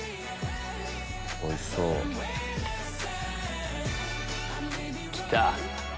おいしそう！来た！